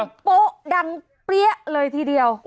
ดังโป๊ะดังเปี้๊ะเลยทีเดียว